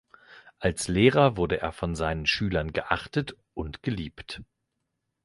Als Lehrer wurde er von seinen Schülern geachtet und geliebt.